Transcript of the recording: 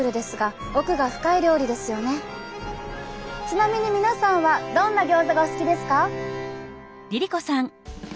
ちなみに皆さんはどんなギョーザがお好きですか？